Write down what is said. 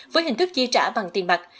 với hình thức chi trả bằng tiền mặt